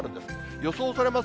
予想されます